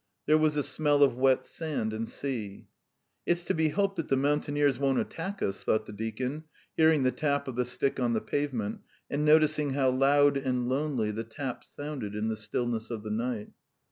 There was a smell of wet sand and sea. "It's to be hoped that the mountaineers won't attack us," thought the deacon, hearing the tap of the stick on the pavement, and noticing how loud and lonely the taps sounded in the stillness of the night.